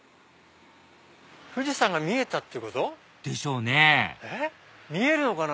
富士山が見えたってこと？でしょうね見えるのかな？